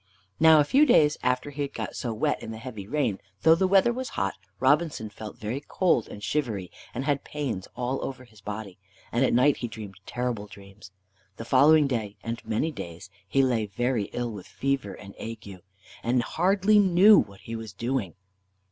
Now a few days after he had got so wet in the heavy rain, though the weather was hot, Robinson felt very cold and shivery, and had pains all over his body, and at night he dreamed terrible dreams. The following day, and many days, he lay very ill with fever and ague, and hardly knew what he was doing.